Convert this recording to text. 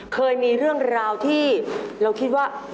เคยมีเรื่องราวที่เราคิดว่า